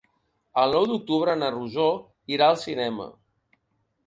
El nou d'octubre na Rosó irà al cinema.